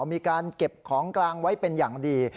มีการเก็บของกลางไว้เป็นอย่างดี